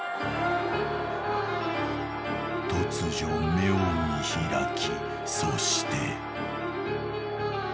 ［突如目を見開きそして］